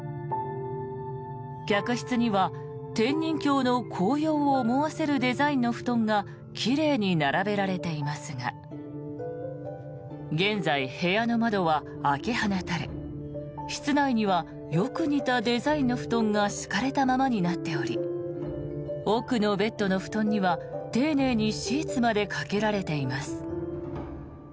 客室には天人峡の紅葉を思わせるデザインの布団が奇麗に並べられていますが現在、部屋の窓は開け放たれ室内にはよく似たデザインの布団が敷かれたままになっており奥のベッドの布団には、丁寧にシーツまでかけられています。